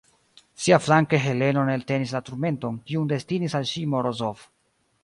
Siaflanke Heleno ne eltenis la turmenton, kiun destinis al ŝi Morozov.